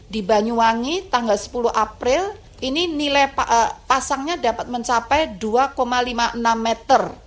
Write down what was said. di banyuwangi tanggal sepuluh april ini nilai pasangnya dapat mencapai dua lima puluh enam meter